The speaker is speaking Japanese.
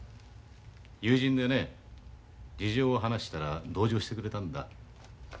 友人でね事情を話したら同情してくれたんだ。